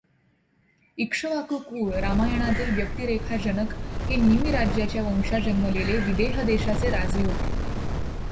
इक्ष्वाकु कुळ रामायणातील व्यक्तिरेखाजनक हे निमि राजाच्या वंशात जन्मलेले विदेह देशाचे राजे होते.